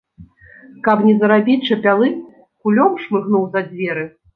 Каб не зарабіць чапялы, кулём шмыгнуў за дзверы.